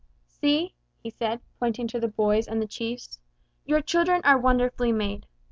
"See," he said, pointing to the boys and the chiefs, "your children are wonderfully made.